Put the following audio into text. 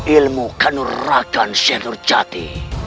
ilmu kanur rakan syekh nurjati